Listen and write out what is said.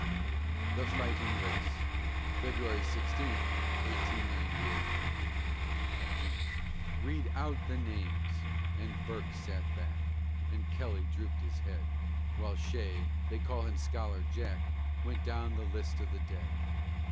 THE FIGHTING RACE [February 16, 1898] "Read out the names!" and Burke sat back, And Kelly drooped his head, While Shea they call him Scholar Jack Went down the list of the dead.